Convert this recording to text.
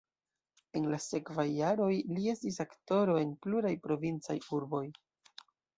En la sekvaj jaroj li estis aktoro en pluraj provincaj urboj.